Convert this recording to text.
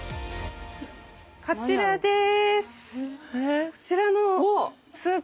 こちらでーす。